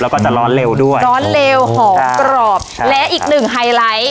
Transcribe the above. แล้วก็จะร้อนเร็วด้วยร้อนเร็วหอมกรอบและอีกหนึ่งไฮไลท์